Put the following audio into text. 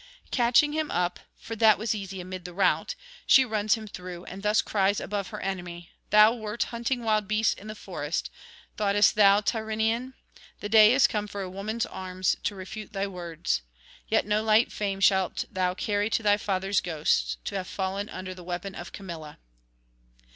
Catching him up (for that was easy amid the rout), she runs him through, and thus cries above her enemy: 'Thou wert hunting wild beasts in the forest, thoughtest thou, Tyrrhenian? the day is come for a woman's arms to refute thy words. Yet no light fame shalt thou carry to thy fathers' ghosts, to have fallen under the weapon of Camilla.'